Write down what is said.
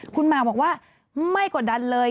คุณหมากบอกว่าไม่กดดันเลย